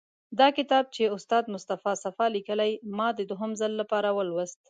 دا کتاب چې استاد مصطفی صفا لیکلی، ما د دوهم ځل لپاره ولوست.